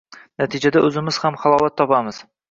Natijada, o‘zimiz ham halovat topamiz